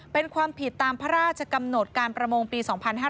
เป็นความผิดตามพระราชกำหนดการประมงปี๒๕๕๙